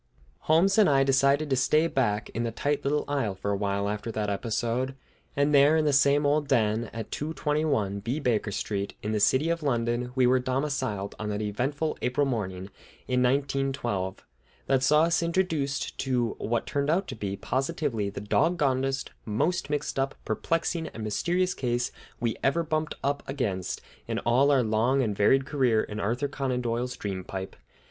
Holmes and I decided to stay back in the tight little isle for a while after that episode, and there in the same old den, at 221 B Baker Street, in the city of London, we were domiciled on that eventful April morning in 1912 that saw us introduced to what turned out to be positively the dog gonedest, most mixed up, perplexing, and mysterious case we ever bumped up against in all our long and varied career in Arthur Conan Doyle's dream pipe.